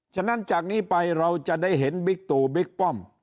ฉะนั้นจากนี้ไปเราจะได้เห็นบิ๊กตู่บิ๊กป้อม